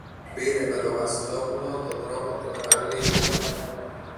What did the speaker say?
πήρε με το Βασιλόπουλο το δρόμο του μεταλλείου